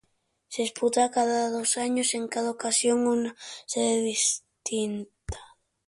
Se disputa cada dos años, en cada ocasión en una sede distinta.